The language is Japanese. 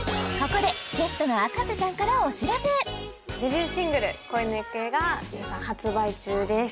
ここでゲストのあかせさんからお知らせデビューシングル「恋ノ行方」が絶賛発売中です